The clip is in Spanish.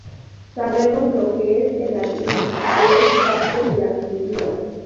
Sabemos lo que es el ayuno y que es parte de la cultura.